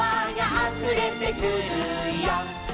「あふれてくるよ」